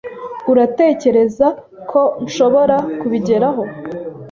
Uratekereza ko nshobora kubigeraho?